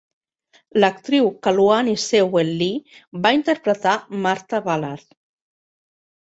L'actriu Kaluani Sewell Lee va interpretar Martha Ballard.